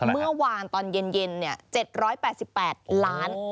เมื่อวานตอนเย็น๗๘๘ล้าน